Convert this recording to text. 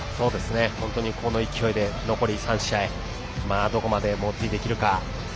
本当にこの勢いで残り３試合どこまで猛追できるか。